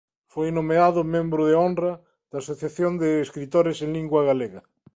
Foi nomeado Membro de honra da Asociación de Escritores en Lingua Galega.